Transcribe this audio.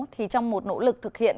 thì trong một nỗ lực thực hiện